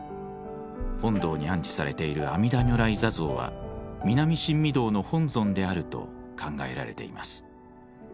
本堂に安置されている阿彌陀如来坐像は南新御堂の本尊であると考えられています。